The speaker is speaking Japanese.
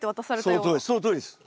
そのとおりそのとおりです。